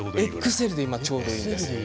ＸＬでちょうどいいです。